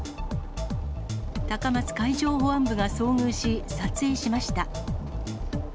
高松海上保安部が遭遇し、撮影しました。